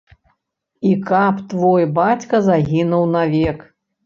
І каб твой бацька загінуў навек.